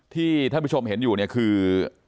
ที่ท่านผู้ชมเห็นอยู่เนี่ยคือ